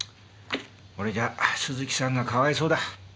これじゃ鈴木さんがかわいそうだ。